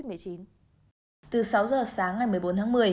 từ sáu giờ sáng ngày một mươi bốn tháng một mươi